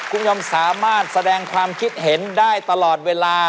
คุณผู้ชมสามารถแสดงความคิดเห็นได้ตลอดเวลา